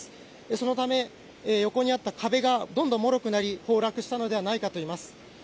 そのため、横にあった壁がどんどんもろくなり崩落したのではないかといいます。